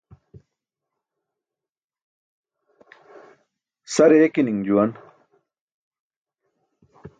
Sare eki̇ni̇ṅ juwan.